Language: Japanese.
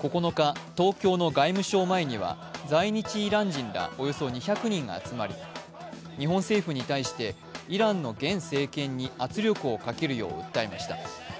９日、東京の外務省前には在日イラン人らおよそ２００人が集まり日本政府に対してイランの現政権に圧力をかけるよう訴えました。